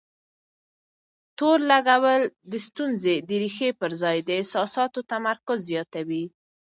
تور لګول د ستونزې د ريښې پر ځای د احساساتو تمرکز زياتوي.